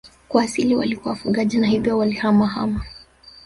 Kwa asili walikuwa wafugaji na hivyo walihamahama